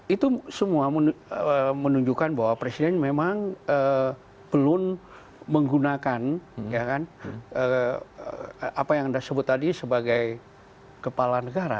itu semua menunjukkan bahwa presiden memang belum menggunakan apa yang anda sebut tadi sebagai kepala negara